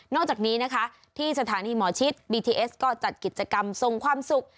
จากนี้นะคะที่สถานีหมอชิดบีทีเอสก็จัดกิจกรรมทรงความสุข